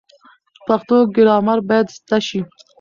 پښتو ګرامر باید زده شي.